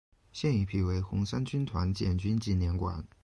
现已辟为红三军团建军纪念馆。